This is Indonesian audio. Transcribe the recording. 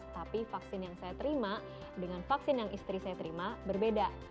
tapi vaksin yang saya terima dengan vaksin yang istri saya terima berbeda